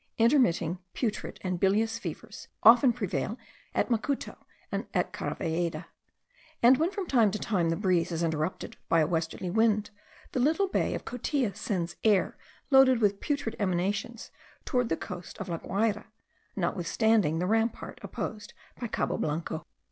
Intermitting, putrid, and bilious fevers often prevail at Macuto and at Caravalleda; and when from time to time the breeze is interrupted by a westerly wind, the little bay of Cotia sends air loaded with putrid emanations towards the coast of La Guayra, notwithstanding the rampart opposed by Cabo Blanco.